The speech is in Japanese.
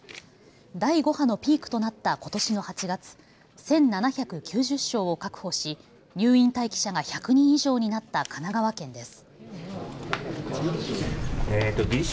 第５波のピークとなったことしの８月、１７９０床を確保し入院待機者が１００人以上になった神奈川県です。